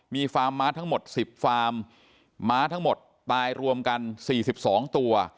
มีฟาร์มม้าทั้งหมด๑๐ฟาร์มม้าทั้งหมดตายรวมกัน๔๒ตัว